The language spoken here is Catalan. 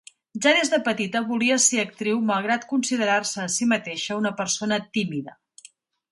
Ja des de petita volia ser actriu malgrat considerar-se a si mateixa una persona tímida.